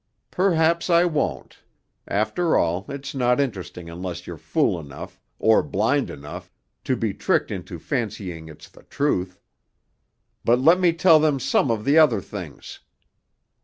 "Perhaps I won't; after all, it's not interesting unless you're fool enough, or blind enough, to be tricked into fancying it's the truth. But let me tell them some of the other things.